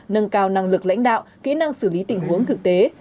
nâng cao năng lực lãnh đạo kỹ năng xử lý tình huống thực tế